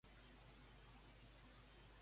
Fa xafogor avui on jo visc?